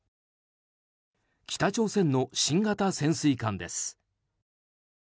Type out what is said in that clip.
北朝鮮の新型潜水艦です。